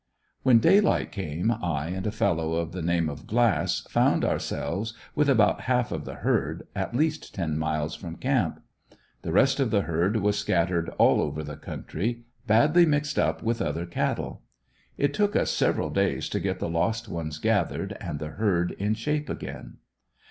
When daylight came I and a fellow by the name of Glass, found ourselves with about half of the herd, at least ten miles from camp. The rest of the herd was scattered all over the country, badly mixed up with other cattle. It took us several days to get the lost ones gathered, and the herd in shape again.